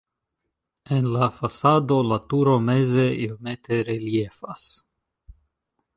En la fasado la turo meze iomete reliefas.